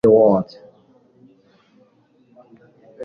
Thrill The World